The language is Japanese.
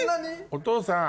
お父さん。